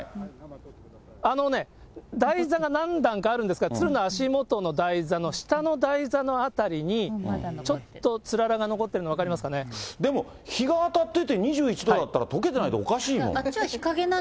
あのね、台座が何段かあるんですが、つるの足元の台座の下の台座の辺りに、ちょっとつららが残ってるでも、日が当たってて、２１度だったらとけてないとおかしいもん。